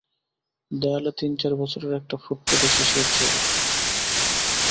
দেয়ালে তিন-চার বছরের একটা ফুটফুটে শিশুর ছবি।